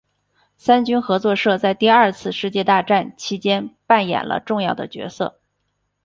三军合作社在第二次世界大战其间扮演了重要的角色。